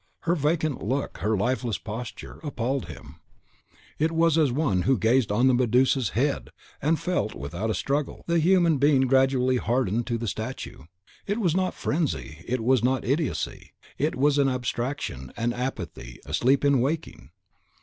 Her vacant look, her lifeless posture, appalled him; it was as one who gazed on the Medusa's head, and felt, without a struggle, the human being gradually harden to the statue. It was not frenzy, it was not idiocy, it was an abstraction, an apathy, a sleep in waking.